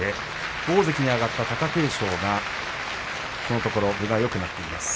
大関に上がった貴景勝はこのところ分がよくなっています。